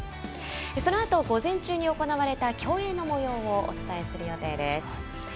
そのあと、午前中に行われた競泳のもようをお伝えする予定です。